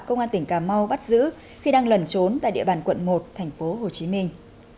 công an tp cà mau bắt giữ khi đang lẩn trốn tại địa bàn quận một tp hồ chí minh